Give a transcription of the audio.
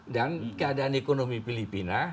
dan keadaan ekonomi filipina